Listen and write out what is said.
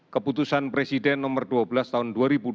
keputusan presiden nomor dua belas tahun dua ribu dua puluh